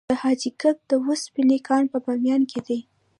د حاجي ګک د وسپنې کان په بامیان کې دی